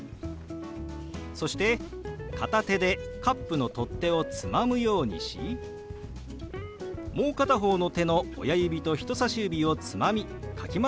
そして片手でカップの取っ手をつまむようにしもう片方の手の親指と人さし指をつまみかき混ぜるように動かします。